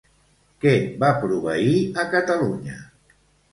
Què va proveir a Catalunya?